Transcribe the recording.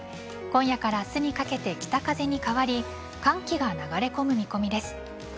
今夜から明日にかけて北風に変わり寒気が流れ込む見込みです。